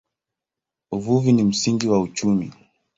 Uvuvi ni msingi wa uchumi.